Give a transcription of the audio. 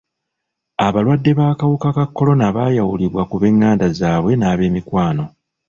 Abalwadde b'akawuka ka kolona baayawulibwa ku b'enganda zaabwe n'ab'emikwano.